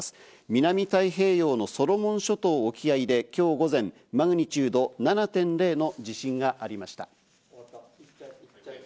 南太平洋のソロモン諸島沖合で今日午前、マグニチュード７．０の地震がありました。